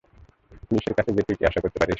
পুলিশের কাছে গিয়ে তুই কী আশা করতে পারিস?